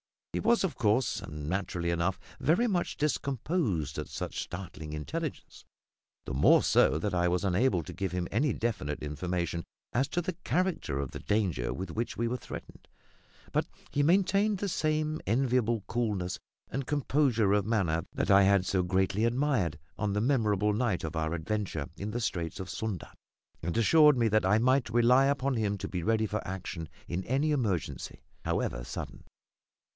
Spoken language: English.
He was, of course, and naturally enough, very much discomposed at such startling intelligence; the more so that I was unable to give him any definite information as to the character of the danger with which we were threatened; but he maintained the same enviable coolness and composure of manner that I had so greatly admired on the memorable night of our adventure in the Straits of Sunda, and assured me that I might rely upon him to be ready for action in any emergency, however sudden.